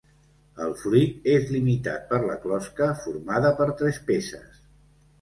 El fruit és limitat per la closca, formada per tres peces.